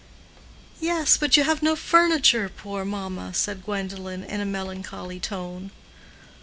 "Yes, but you have no furniture, poor mamma," said Gwendolen, in a melancholy tone.